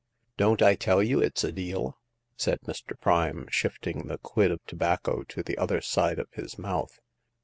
Don't I tell you it*s a deal ?" said Mr. Prime, shifting the quid of tobacco to the other side of his mouth.